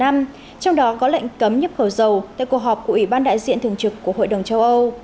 trong đó có lệnh cấm nhập khẩu dầu tại cuộc họp của ủy ban đại diện thường trực của hội đồng châu âu